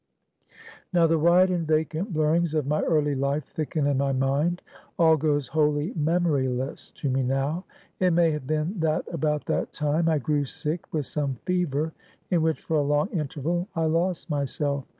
"Now the wide and vacant blurrings of my early life thicken in my mind. All goes wholly memoryless to me now. It may have been that about that time I grew sick with some fever, in which for a long interval I lost myself.